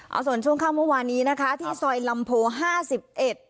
เอาส่วนช่วงค่ำเมื่อวานนี้นะคะที่ซอยลำโพห้าสิบเอ็ด